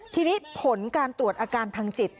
ทีนี้ผลการตรวจอาการทางจิต